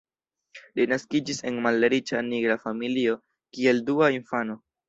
Li naskiĝis en malriĉa nigra familio, kiel dua infano.